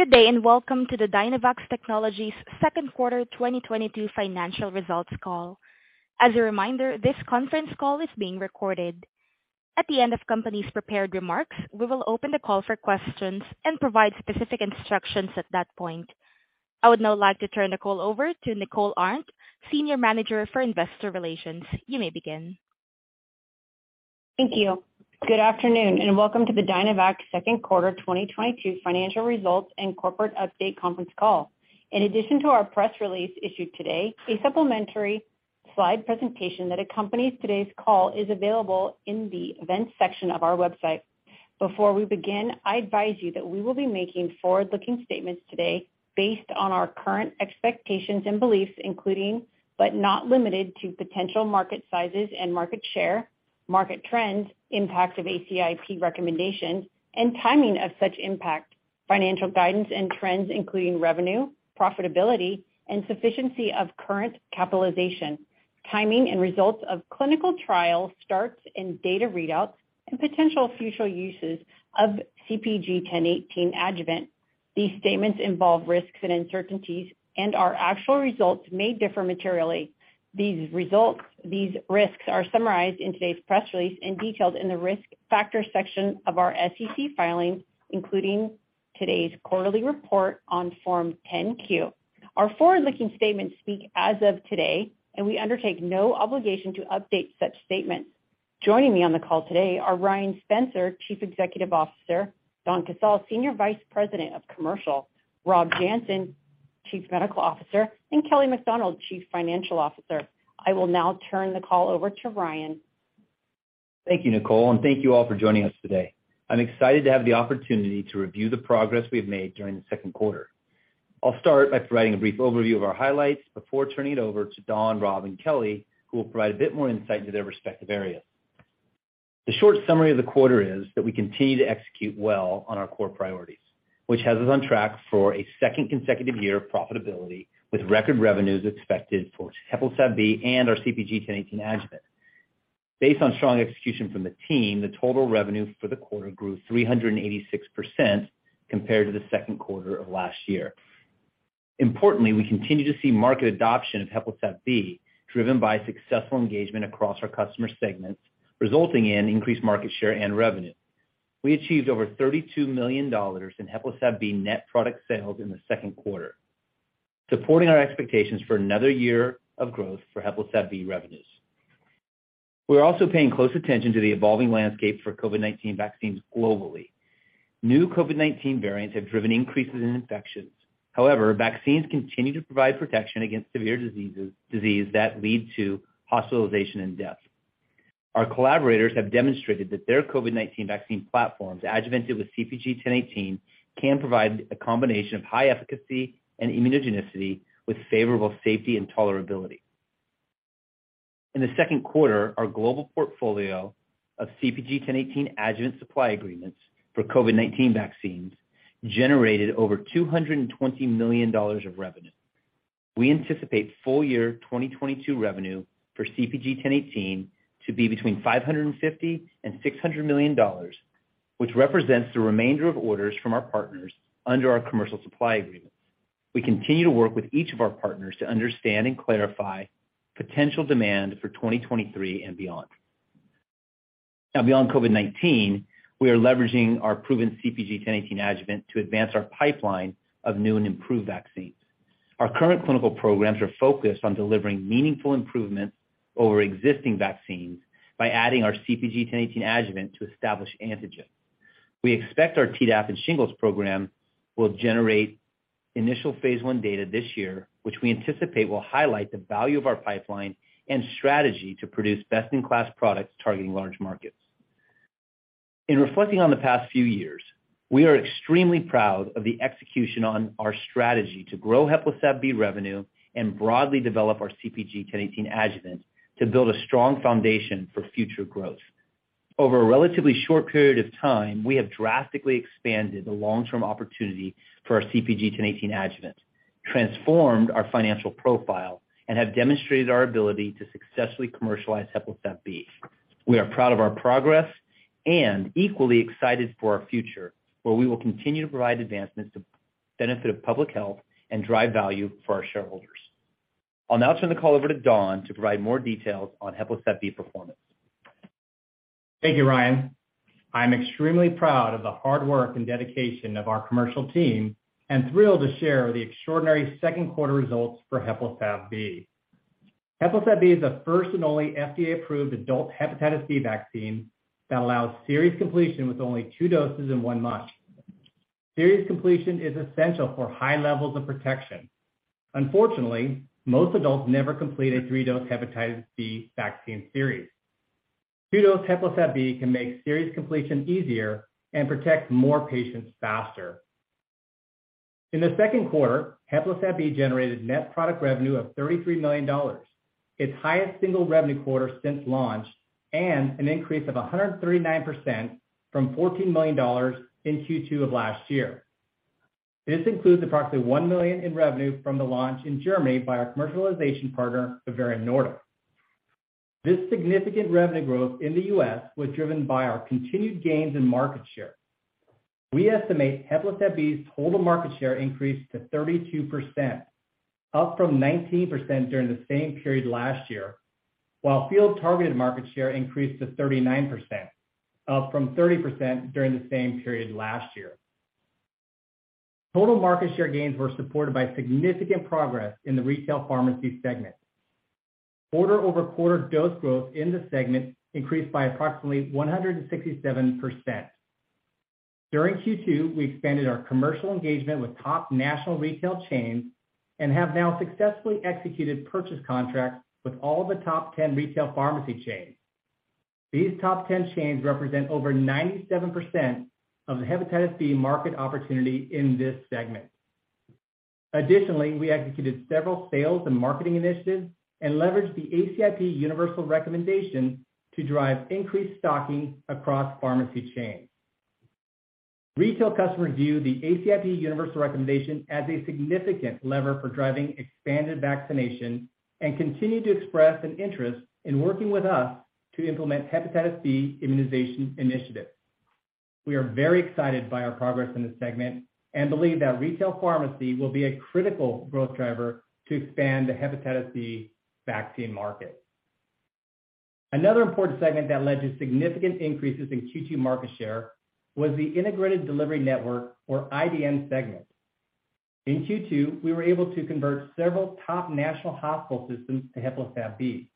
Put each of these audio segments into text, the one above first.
Good day, and welcome to the Dynavax Technologies second quarter 2022 financial results call. As a reminder, this conference call is being recorded. At the end of the company's prepared remarks, we will open the call for questions and provide specific instructions at that point. I would now like to turn the call over to Nicole Arndt, Senior Manager, Investor Relations. You may begin. Thank you. Good afternoon, and welcome to the Dynavax second quarter 2022 financial results and corporate update conference call. In addition to our press release issued today, a supplementary slide presentation that accompanies today's call is available in the events section of our website. Before we begin, I advise you that we will be making forward-looking statements today based on our current expectations and beliefs, including, but not limited to potential market sizes and market share, market trends, impact of ACIP recommendations and timing of such impact, financial guidance and trends including revenue, profitability and sufficiency of current capitalization, timing and results of clinical trial starts and data readouts and potential future uses of CpG 1018 adjuvant. These statements involve risks and uncertainties and our actual results may differ materially. These risks are summarized in today's press release and detailed in the Risk Factors section of our SEC filings, including today's quarterly report on Form 10-Q. Our forward-looking statements speak as of today, and we undertake no obligation to update such statements. Joining me on the call today are Ryan Spencer, Chief Executive Officer, Donn Casale, Senior Vice President of Commercial, Robert Janssen, Chief Medical Officer, and Kelly MacDonald, Chief Financial Officer. I will now turn the call over to Ryan. Thank you, Nicole, and thank you all for joining us today. I'm excited to have the opportunity to review the progress we have made during the second quarter. I'll start by providing a brief overview of our highlights before turning it over to Donn, Rob, and Kelly, who will provide a bit more insight into their respective areas. The short summary of the quarter is that we continue to execute well on our core priorities, which has us on track for a second consecutive year of profitability, with record revenues expected for Heplisav-B and our CpG 1018 adjuvant. Based on strong execution from the team, the total revenue for the quarter grew 386% compared to the second quarter of last year. Importantly, we continue to see market adoption of Heplisav-B, driven by successful engagement across our customer segments, resulting in increased market share and revenue. We achieved over $32 million in Heplisav-B net product sales in the second quarter, supporting our expectations for another year of growth for Heplisav-B revenues. We're also paying close attention to the evolving landscape for COVID-19 vaccines globally. New COVID-19 variants have driven increases in infections. However, vaccines continue to provide protection against severe diseases, disease that lead to hospitalization and death. Our collaborators have demonstrated that their COVID-19 vaccine platforms, adjuvanted with CpG 1018, can provide a combination of high efficacy and immunogenicity with favorable safety and tolerability. In the second quarter, our global portfolio of CpG 1018 adjuvant supply agreements for COVID-19 vaccines generated over $220 million of revenue. We anticipate full year 2022 revenue for CpG 1018 to be between $550 million and $600 million, which represents the remainder of orders from our partners under our commercial supply agreement. We continue to work with each of our partners to understand and clarify potential demand for 2023 and beyond. Now beyond COVID-19, we are leveraging our proven CpG 1018 adjuvant to advance our pipeline of new and improved vaccines. Our current clinical programs are focused on delivering meaningful improvements over existing vaccines by adding our CpG 1018 adjuvant to established antigen. We expect our Tdap and Shingles program will generate initial phase I data this year, which we anticipate will highlight the value of our pipeline and strategy to produce best-in-class products targeting large markets. In reflecting on the past few years, we are extremely proud of the execution on our strategy to grow Heplisav-B revenue and broadly develop our CpG 1018 adjuvant to build a strong foundation for future growth. Over a relatively short period of time, we have drastically expanded the long-term opportunity for our CpG 1018 adjuvant, transformed our financial profile, and have demonstrated our ability to successfully commercialize Heplisav-B. We are proud of our progress and equally excited for our future, where we will continue to provide advancements to benefit of public health and drive value for our shareholders. I'll now turn the call over to Donn to provide more details on Heplisav-B performance. Thank you, Ryan. I'm extremely proud of the hard work and dedication of our commercial team and thrilled to share the extraordinary second quarter results for Heplisav-B. Heplisav-B is the first and only FDA-approved adult hepatitis B vaccine that allows series completion with only two doses in one month. Series completion is essential for high levels of protection. Unfortunately, most adults never complete a three-dose hepatitis B vaccine series. Two-dose Heplisav-B can make series completion easier and protect more patients faster. In the second quarter, Heplisav-B generated net product revenue of $33 million, its highest single revenue quarter since launch and an increase of 139% from $14 million in Q2 of last year. This includes approximately $1 million in revenue from the launch in Germany by our commercialization partner, Bavarian Nordic. This significant revenue growth in the U.S. was driven by our continued gains in market share. We estimate Heplisav-B's total market share increased to 32%, up from 19% during the same period last year, while field-targeted market share increased to 39%, up from 30% during the same period last year. Total market share gains were supported by significant progress in the Retail Pharmacy segment. Quarter-over-quarter dose growth in the segment increased by approximately 167%. During Q2, we expanded our commercial engagement with top national retail chains and have now successfully executed purchase contracts with all the top 10 Retail Pharmacy chains. These top 10 chains represent over 97% of the hepatitis B market opportunity in this segment. Additionally, we executed several sales and marketing initiatives and leveraged the ACIP universal recommendation to drive increased stocking across pharmacy chains. Retail customers view the ACIP universal recommendation as a significant lever for driving expanded vaccination and continue to express an interest in working with us to implement hepatitis B immunization initiatives. We are very excited by our progress in this segment and believe that Retail Pharmacy will be a critical growth driver to expand the hepatitis B vaccine market. Another important segment that led to significant increases in Q2 market share was the Integrated Delivery Network, or IDN segment. In Q2, we were able to convert several top national hospital systems to Heplisav-B.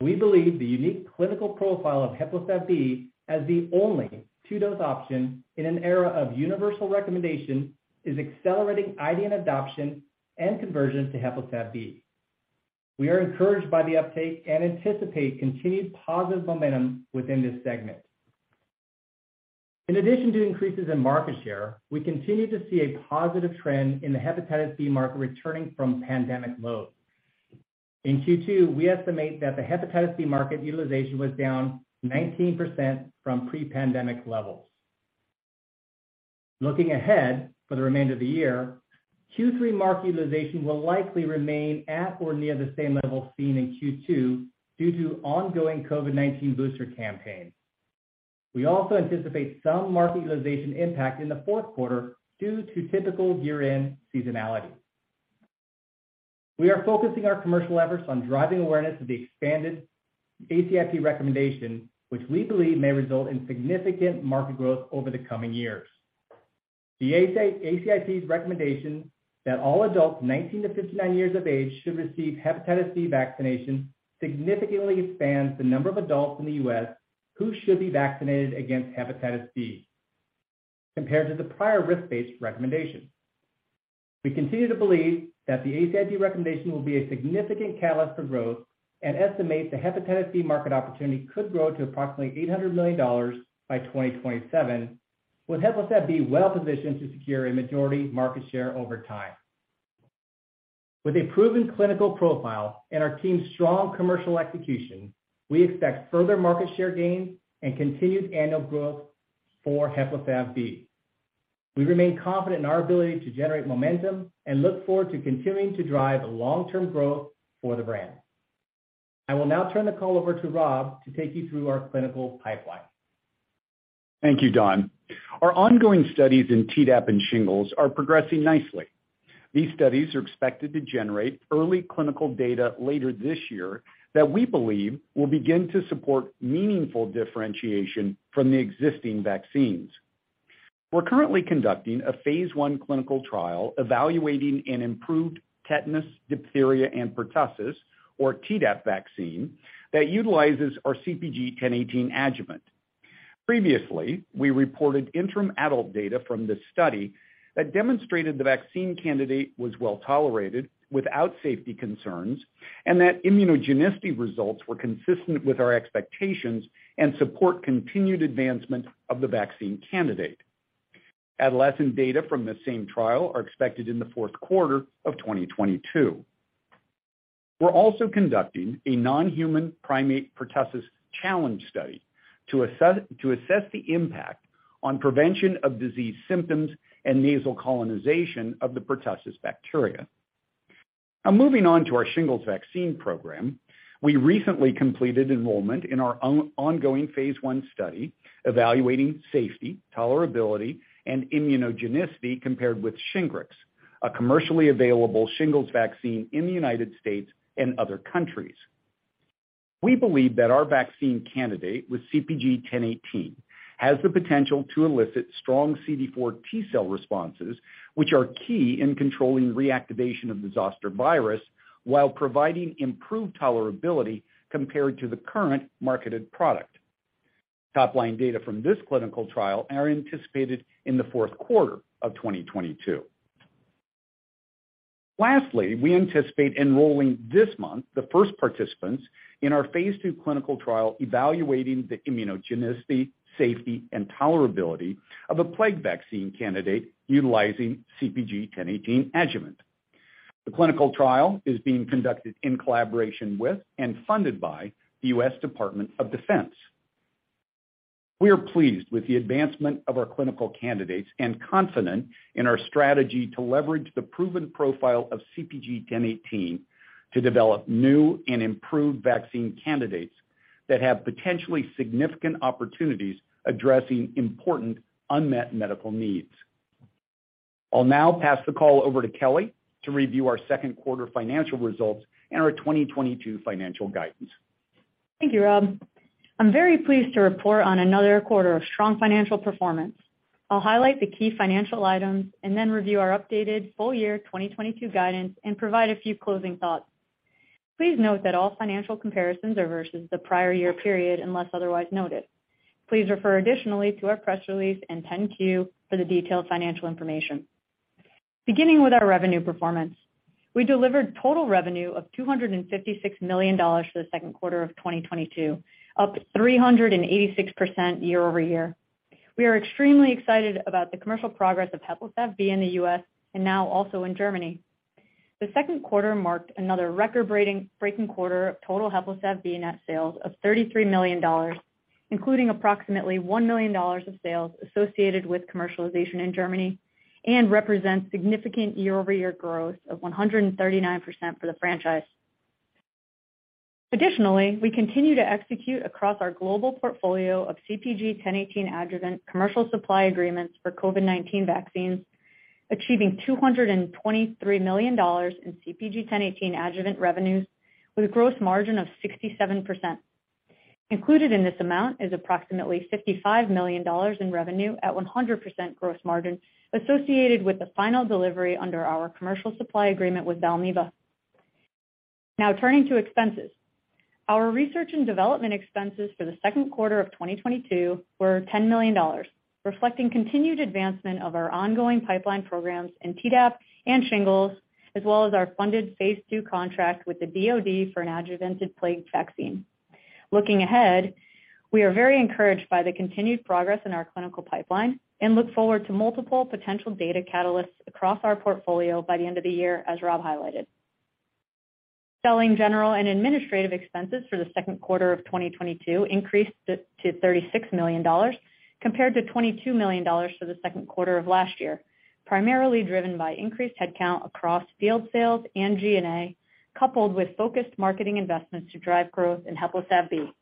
We believe the unique clinical profile of Heplisav-B as the only two-dose option in an era of universal recommendation is accelerating IDN adoption and conversion to Heplisav-B. We are encouraged by the uptake and anticipate continued positive momentum within this segment. In addition to increases in market share, we continue to see a positive trend in the hepatitis B market returning from pandemic lows. In Q2, we estimate that the hepatitis B market utilization was down 19% from pre-pandemic levels. Looking ahead for the remainder of the year, Q3 market utilization will likely remain at or near the same level seen in Q2 due to ongoing COVID-19 booster campaigns. We also anticipate some market utilization impact in the fourth quarter due to typical year-end seasonality. We are focusing our commercial efforts on driving awareness of the expanded ACIP recommendation, which we believe may result in significant market growth over the coming years. The ACIP's recommendation that all adults 19-59 years of age should receive hepatitis B vaccination significantly expands the number of adults in the U.S. who should be vaccinated against hepatitis B compared to the prior risk-based recommendation. We continue to believe that the ACIP recommendation will be a significant catalyst for growth and estimate the hepatitis B market opportunity could grow to approximately $800 million by 2027, with Heplisav-B well-positioned to secure a majority market share over time. With a proven clinical profile and our team's strong commercial execution, we expect further market share gains and continued annual growth for Heplisav-B. We remain confident in our ability to generate momentum and look forward to continuing to drive long-term growth for the brand. I will now turn the call over to Rob to take you through our clinical pipeline. Thank you, Donn. Our ongoing studies in Tdap and Shingles are progressing nicely. These studies are expected to generate early clinical data later this year that we believe will begin to support meaningful differentiation from the existing vaccines. We're currently conducting a phase I clinical trial evaluating an improved tetanus, diphtheria, and pertussis, or Tdap vaccine that utilizes our CpG 1018 adjuvant. Previously, we reported interim adult data from this study that demonstrated the vaccine candidate was well-tolerated without safety concerns, and that immunogenicity results were consistent with our expectations and support continued advancement of the vaccine candidate. Adolescent data from the same trial are expected in the fourth quarter of 2022. We're also conducting a non-human primate pertussis challenge study to assess the impact on prevention of disease symptoms and nasal colonization of the pertussis bacteria. Now moving on to our shingles vaccine program. We recently completed enrollment in our ongoing phase I study evaluating safety, tolerability, and immunogenicity compared with Shingrix, a commercially available shingles vaccine in the United States and other countries. We believe that our vaccine candidate with CpG 1018 has the potential to elicit strong CD4 T-cell responses, which are key in controlling reactivation of the zoster virus while providing improved tolerability compared to the current marketed product. Top-line data from this clinical trial are anticipated in the fourth quarter of 2022. Lastly, we anticipate enrolling this month the first participants in our phase II clinical trial evaluating the immunogenicity, safety, and tolerability of a plague vaccine candidate utilizing CpG 1018 adjuvant. The clinical trial is being conducted in collaboration with and funded by the U.S. Department of Defense. We are pleased with the advancement of our clinical candidates and confident in our strategy to leverage the proven profile of CpG 1018 to develop new and improved vaccine candidates that have potentially significant opportunities addressing important unmet medical needs. I'll now pass the call over to Kelly to review our second quarter financial results and our 2022 financial guidance. Thank you, Rob. I'm very pleased to report on another quarter of strong financial performance. I'll highlight the key financial items and then review our updated full year 2022 guidance and provide a few closing thoughts. Please note that all financial comparisons are versus the prior year period unless otherwise noted. Please refer additionally to our press release and 10-Q for the detailed financial information. Beginning with our revenue performance, we delivered total revenue of $256 million for the second quarter of 2022, up 386% year-over-year. We are extremely excited about the commercial progress of Heplisav-B in the U.S. and now also in Germany. The second quarter marked another record-breaking quarter of total Heplisav-B net sales of $33 million, including approximately $1 million of sales associated with commercialization in Germany, and represents significant year-over-year growth of 139% for the franchise. Additionally, we continue to execute across our global portfolio of CpG 1018 adjuvant commercial supply agreements for COVID-19 vaccines, achieving $223 million in CpG 1018 adjuvant revenues with a gross margin of 67%. Included in this amount is approximately $55 million in revenue at 100% gross margin associated with the final delivery under our commercial supply agreement with Valneva. Now turning to expenses. Our Research and Development expenses for the second quarter of 2022 were $10 million, reflecting continued advancement of our ongoing pipeline programs in Tdap and Shingles, as well as our funded phase II contract with the DoD for an adjuvanted plague vaccine. Looking ahead, we are very encouraged by the continued progress in our clinical pipeline and look forward to multiple potential data catalysts across our portfolio by the end of the year, as Rob highlighted. Selling general and administrative expenses for the second quarter of 2022 increased to $36 million compared to $22 million for the second quarter of last year, primarily driven by increased headcount across field sales and G&A, coupled with focused marketing investments to drive growth in Heplisav-B.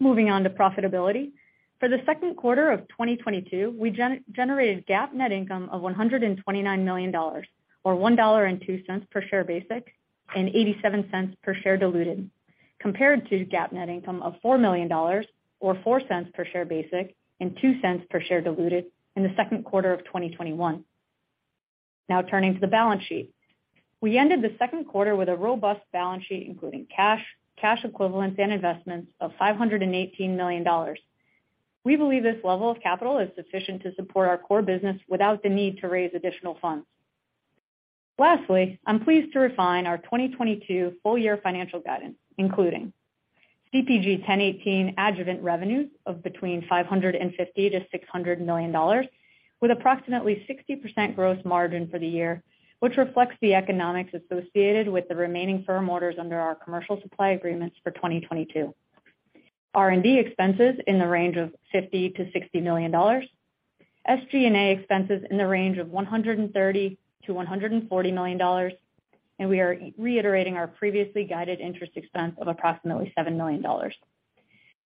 Moving on to profitability. For the second quarter of 2022, we generated GAAP net income of $129 million, or $1.02 per share basic and $0.87 per share diluted, compared to GAAP net income of $4 million or $0.04 per share basic and $0.02 per share diluted in the second quarter of 2021. Now turning to the balance sheet. We ended the second quarter with a robust balance sheet, including cash equivalents and investments of $518 million. We believe this level of capital is sufficient to support our core business without the need to raise additional funds. Lastly, I'm pleased to refine our 2022 full year financial guidance, including CpG 1018 adjuvant revenues of between $550 million-$600 million with approximately 60% gross margin for the year, which reflects the economics associated with the remaining firm orders under our commercial supply agreements for 2022. R&D expenses in the range of $50 million-$60 million. SG&A expenses in the range of $130 million-$140 million. We are reiterating our previously guided interest expense of approximately $7 million.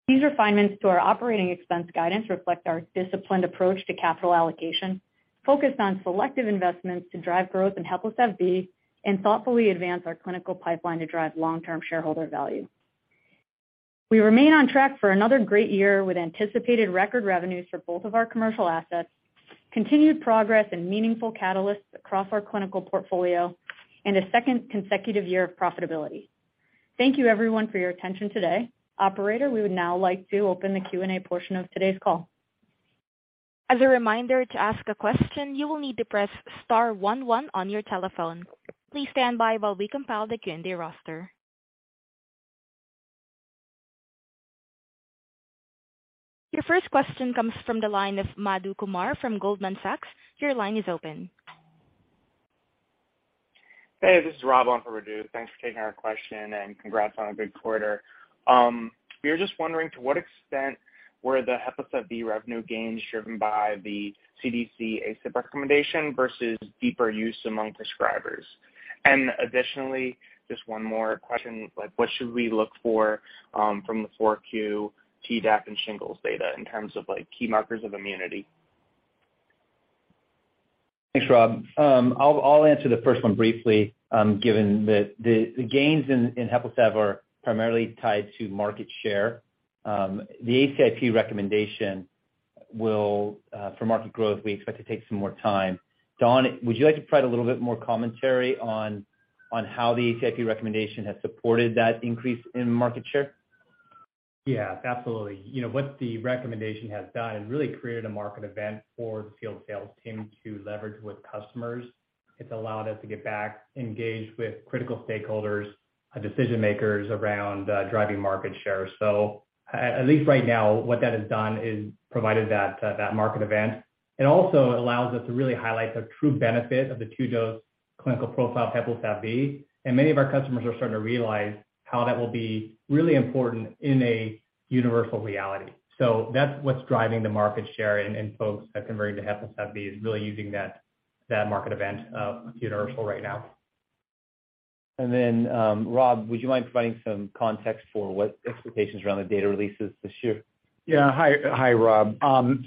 These refinements to our operating expense guidance reflect our disciplined approach to capital allocation, focused on selective investments to drive growth in Heplisav-B and thoughtfully advance our clinical pipeline to drive long-term shareholder value. We remain on track for another great year with anticipated record revenues for both of our commercial assets, continued progress and meaningful catalysts across our clinical portfolio, and a second consecutive year of profitability. Thank you everyone for your attention today. Operator, we would now like to open the Q&A portion of today's call. As a reminder, to ask a question, you will need to press star one one on your telephone. Please stand by while we compile the Q&A roster. Your first question comes from the line of Madhu Kumar from Goldman Sachs. Your line is open. Hey, this is Rob on for Madhu. Thanks for taking our question and congrats on a good quarter. We were just wondering to what extent were the Heplisav-B revenue gains driven by the CDC ACIP recommendation versus deeper use among prescribers. Additionally, just one more question, like what should we look for from the 4Q Tdap and shingles data in terms of like key markers of immunity? Thanks, Rob. I'll answer the first one briefly, given that the gains in Heplisav-B are primarily tied to market share. The ACIP recommendation will, for market growth, we expect to take some more time. Donn, would you like to provide a little bit more commentary on how the ACIP recommendation has supported that increase in market share? Yeah, absolutely. You know, what the recommendation has done is really created a market event for the field sales team to leverage with customers. It's allowed us to get back, engage with critical stakeholders and decision makers around, driving market share. At least right now, what that has done is provided that market event. It also allows us to really highlight the true benefit of the two dose. Clinical profile Heplisav-B, and many of our customers are starting to realize how that will be really important in a universal reality. That's what's driving the market share and folks that converted to Heplisav-B is really using that market event, universal right now. Rob, would you mind providing some context for what expectations around the data releases this year? Yeah. Hi, Rob.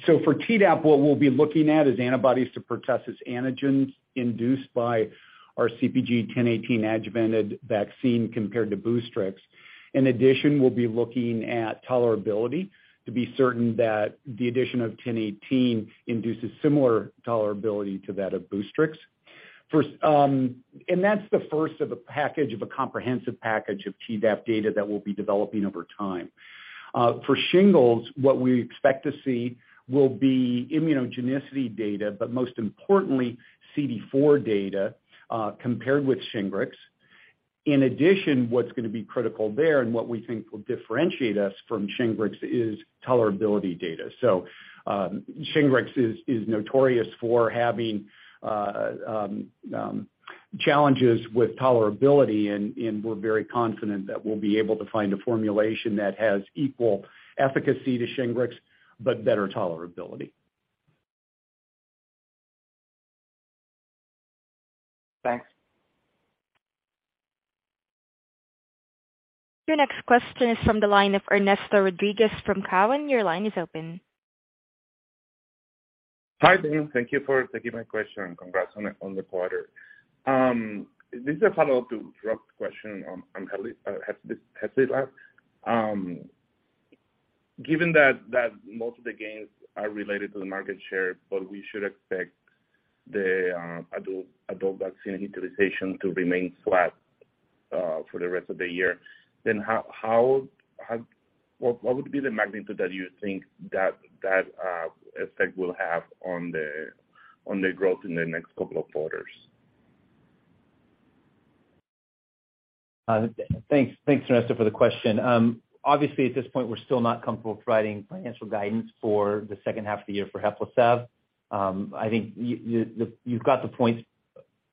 So for Tdap, what we'll be looking at is antibodies to pertussis antigens induced by our CpG 1018 adjuvanted vaccine compared to Boostrix. In addition, we'll be looking at tolerability to be certain that the addition of CpG 1018 induces similar tolerability to that of Boostrix. That's the first of a comprehensive package of Tdap data that we'll be developing over time. For Shingles, what we expect to see will be immunogenicity data, but most importantly CD4 data compared with Shingrix. In addition, what's gonna be critical there and what we think will differentiate us from Shingrix is tolerability data. Shingrix is notorious for having challenges with tolerability, and we're very confident that we'll be able to find a formulation that has equal efficacy to Shingrix, but better tolerability. Thanks. Your next question is from the line of Ernesto Rodriguez-Dumont from Cowen. Your line is open. Hi, team. Thank you for taking my question, and congrats on the quarter. This is a follow-up to Rob's question on Heplisav-B. Given that most of the gains are related to the market share, but we should expect the adult vaccine utilization to remain flat for the rest of the year, then what would be the magnitude that you think that effect will have on the growth in the next couple of quarters? Thanks, Ernesto, for the question. Obviously, at this point, we're still not comfortable providing financial guidance for the second half of the year for Heplisav-B. I think you've got the points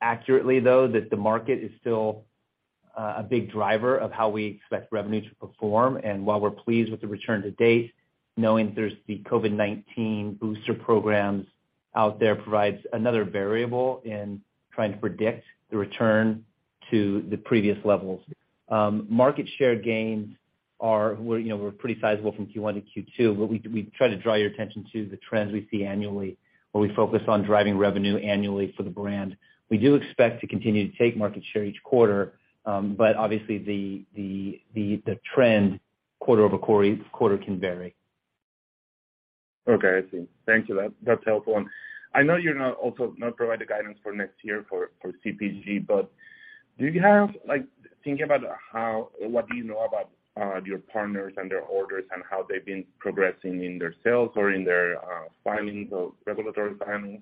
accurately, though, that the market is still a big driver of how we expect revenue to perform. While we're pleased with the return to date, knowing there's the COVID-19 booster programs out there provides another variable in trying to predict the return to the previous levels. Market share gains are pretty sizable from Q1-Q2, but we try to draw your attention to the trends we see annually, where we focus on driving revenue annually for the brand. We do expect to continue to take market share each quarter, but obviously, the trend quarter-over-quarter can vary. Okay, I see. Thank you. That's helpful. I know you're not also providing the guidance for next year for CpG 1018, but do you have what do you know about your partners and their orders and how they've been progressing in their sales or in their regulatory filings?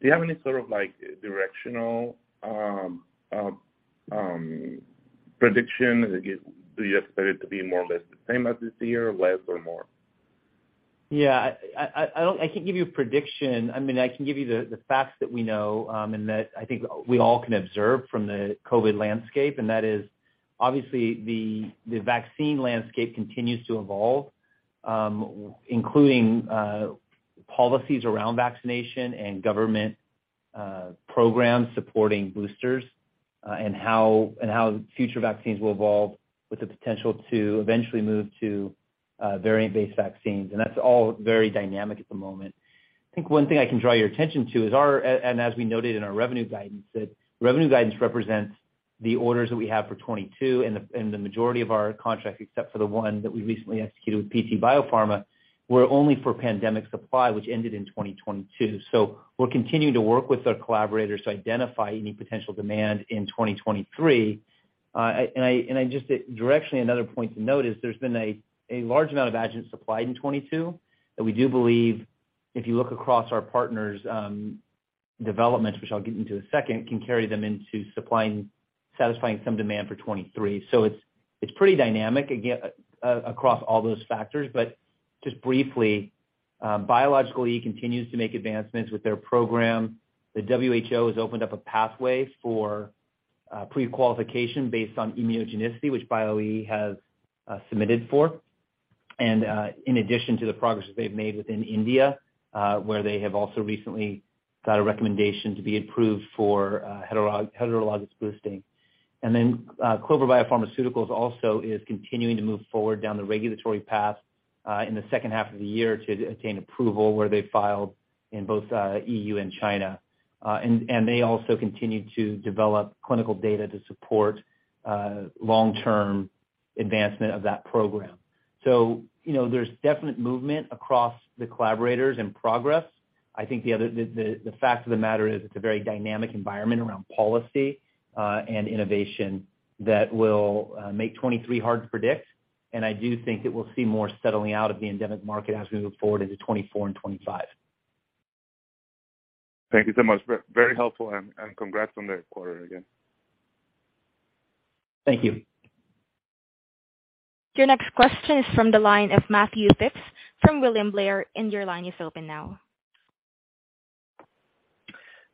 Do you have any sort of like directional prediction? Do you expect it to be more or less the same as this year, less or more? Yeah. I can't give you a prediction. I mean, I can give you the facts that we know, and that I think we all can observe from the COVID landscape, and that is obviously the vaccine landscape continues to evolve, including policies around vaccination and government programs supporting boosters, and how future vaccines will evolve with the potential to eventually move to variant-based vaccines. That's all very dynamic at the moment. I think one thing I can draw your attention to is our, and as we noted in our revenue guidance, that revenue guidance represents the orders that we have for 2022, and the majority of our contracts, except for the one that we recently executed with PT Bio Farma, were only for pandemic supply, which ended in 2022. We're continuing to work with our collaborators to identify any potential demand in 2023. Directionally, another point to note is there's been a large amount of adjuvants supplied in 2022 that we do believe if you look across our partners' developments, which I'll get into in a second, can carry them into satisfying some demand for 2023. It's pretty dynamic across all those factors. Just briefly, Biological E continues to make advancements with their program. The WHO has opened up a pathway for pre-qualification based on immunogenicity, which Biological E has submitted for. In addition to the progress they've made within India, where they have also recently got a recommendation to be approved for heterologous boosting. Clover Biopharmaceuticals also is continuing to move forward down the regulatory path in the second half of the year to obtain approval where they filed in both E.U. and China. They also continue to develop clinical data to support long-term advancement of that program. You know, there's definite movement across the collaborators and progress. I think the fact of the matter is it's a very dynamic environment around policy and innovation that will make 2023 hard to predict. I do think that we'll see more settling out of the endemic market as we move forward into 2024 and 2025. Thank you so much. Very helpful and congrats on the quarter again. Thank you. Your next question is from the line of Matthew Phipps from William Blair. Your line is open now.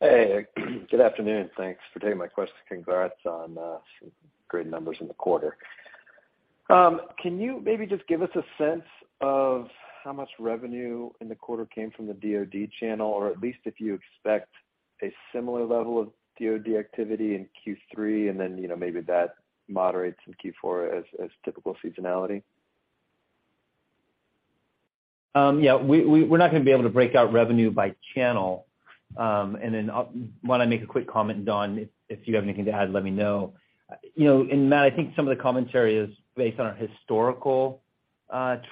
Hey. Good afternoon. Thanks for taking my question. Congrats on some great numbers in the quarter. Can you maybe just give us a sense of how much revenue in the quarter came from the DoD channel, or at least if you expect a similar level of DoD activity in Q3, and then, you know, maybe that moderates in Q4 as typical seasonality? Yeah. We're not gonna be able to break out revenue by channel. Why don't I make a quick comment, Donn, if you have anything to add, let me know. You know, and Matthew, I think some of the commentary is based on our historical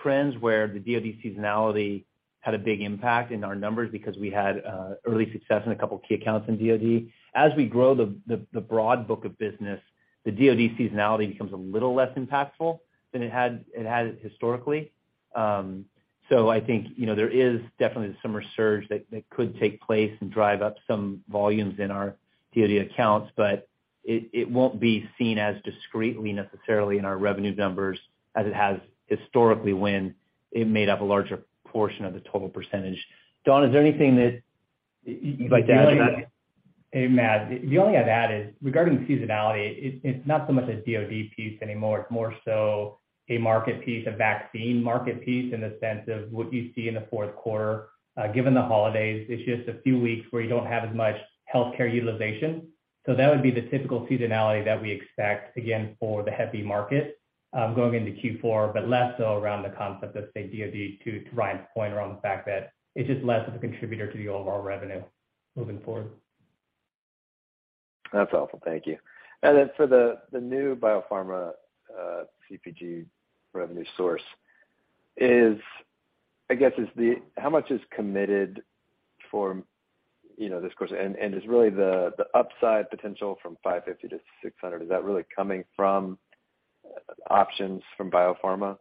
trends, where the DoD seasonality had a big impact in our numbers because we had early success in a couple key accounts in DoD. As we grow the broad book of business, the DoD seasonality becomes a little less impactful than it had historically. I think, you know, there is definitely the summer surge that could take place and drive up some volumes in our DoD accounts, but it won't be seen as discreetly necessarily in our revenue numbers as it has historically when it made up a larger portion of the total percentage. Donn, is there anything that you'd like to add to that? Hey, Matt. The only I'd add is regarding seasonality, it's not so much a DoD piece anymore, it's more so a market piece, a vaccine market piece in the sense of what you see in the fourth quarter, given the holidays, it's just a few weeks where you don't have as much healthcare utilization. That would be the typical seasonality that we expect, again, for the hepatitis B market, going into Q4, but less so around the concept of, say, DoD, to Ryan's point around the fact that it's just less of a contributor to the overall revenue moving forward. That's all. Thank you. For the new biopharma CpG 1018 revenue source, how much is committed for, you know, this quarter? Is the upside potential from $550-$600 really coming from options from biopharma?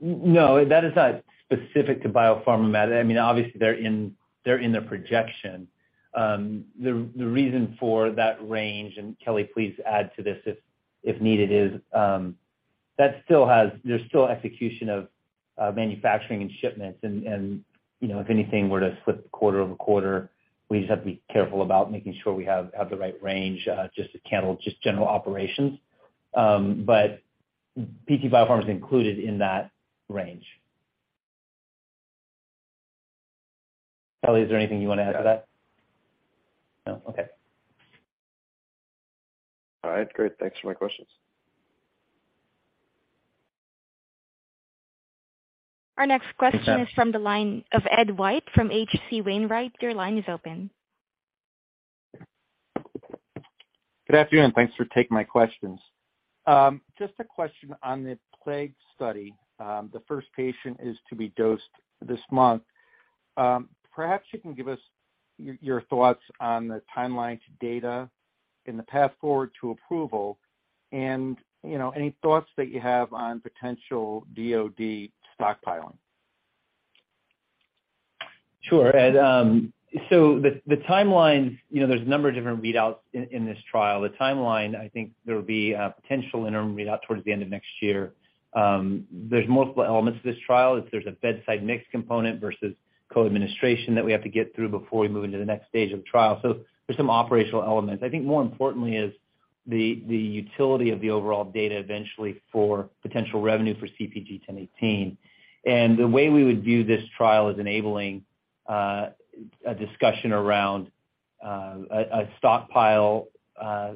No, that is not specific to biopharma, Matt. I mean, obviously they're in the projection. The reason for that range, and Kelly, please add to this if needed, is that there's still execution of manufacturing and shipments and, you know, if anything were to slip quarter-over-quarter, we just have to be careful about making sure we have the right range, just to handle general operations. PT Bio Farma is included in that range. Kelly, is there anything you wanna add to that? No. Okay. All right. Great. Thanks for my questions. Our next question is from the line of Edward White from H.C. Wainwright. Your line is open. Good afternoon. Thanks for taking my questions. Just a question on the plague study. The first patient is to be dosed this month. Perhaps you can give us your thoughts on the timeline to data and the path forward to approval and, you know, any thoughts that you have on potential DoD stockpiling? Sure, Ed. The timeline, you know, there's a number of different readouts in this trial. The timeline, I think there will be a potential interim readout towards the end of next year. There's multiple elements to this trial. There's a bedside mix component versus co-administration that we have to get through before we move into the next stage of the trial. There's some operational elements. I think more importantly is the utility of the overall data eventually for potential revenue for CpG 1018. The way we would view this trial is enabling a discussion around a stockpile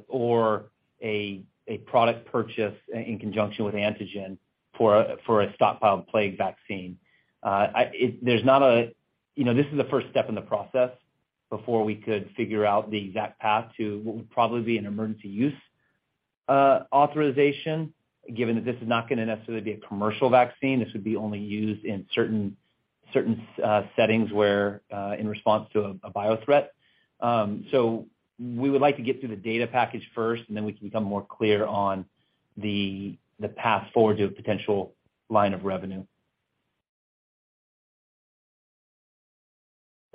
or a product purchase in conjunction with antigen for a stockpiled plague vaccine. There's not a, you know, this is the first step in the process before we could figure out the exact path to what would probably be an emergency use authorization, given that this is not gonna necessarily be a commercial vaccine. This would be only used in certain settings where in response to a biothreat. We would like to get through the data package first, and then we can become more clear on the path forward to a potential line of revenue.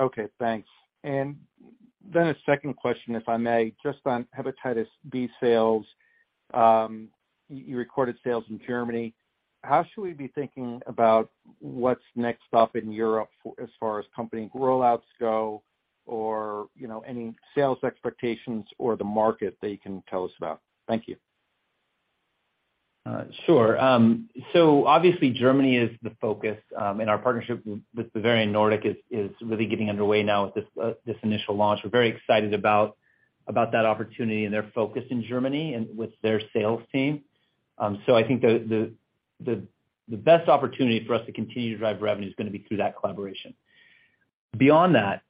Okay, thanks. A second question, if I may, just on hepatitis B sales. You recorded sales in Germany. How should we be thinking about what's next up in Europe as far as company rollouts go or, you know, any sales expectations or the market that you can tell us about? Thank you. Sure. Obviously Germany is the focus, and our partnership with Bavarian Nordic is really getting underway now with this initial launch. We're very excited about that opportunity and their focus in Germany and with their sales team. I think the best opportunity for us to continue to drive revenue is gonna be through that collaboration. Beyond that,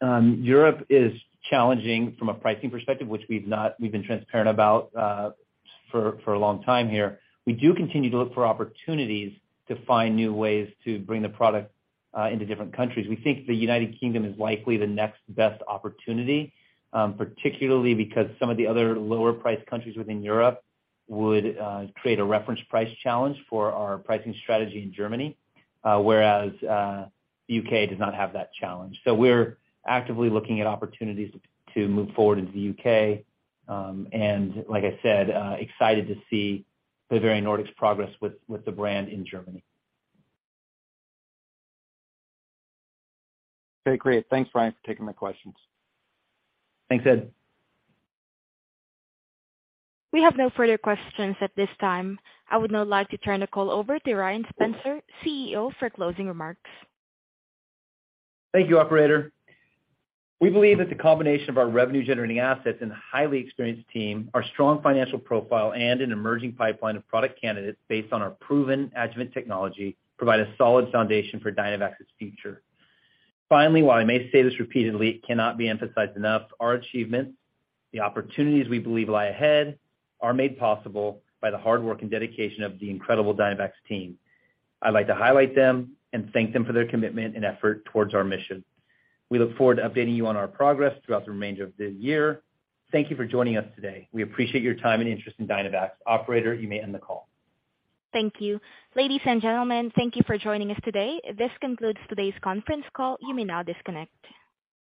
Europe is challenging from a pricing perspective, which we've been transparent about, for a long time here. We do continue to look for opportunities to find new ways to bring the product into different countries. We think the United Kingdom is likely the next best opportunity, particularly because some of the other lower priced countries within Europe would create a reference price challenge for our pricing strategy in Germany, whereas U.K. does not have that challenge. We're actively looking at opportunities to move forward into the U.K., and like I said, excited to see Bavarian Nordic's progress with the brand in Germany. Okay, great. Thanks, Ryan, for taking my questions. Thanks, Ed. We have no further questions at this time. I would now like to turn the call over to Ryan Spencer, CEO, for closing remarks. Thank you, operator. We believe that the combination of our revenue generating assets and a highly experienced team, our strong financial profile and an emerging pipeline of product candidates based on our proven adjuvant technology provide a solid foundation for Dynavax's future. Finally, while I may say this repeatedly, it cannot be emphasized enough, our achievements, the opportunities we believe lie ahead are made possible by the hard work and dedication of the incredible Dynavax team. I'd like to highlight them and thank them for their commitment and effort towards our mission. We look forward to updating you on our progress throughout the remainder of the year. Thank you for joining us today. We appreciate your time and interest in Dynavax. Operator, you may end the call. Thank you. Ladies and gentlemen, thank you for joining us today. This concludes today's conference call. You may now disconnect.